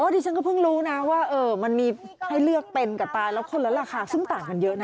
อ๋อดิฉันก็เพิ่งรู้นะว่ามันมีให้เลือกเป็นกับตาย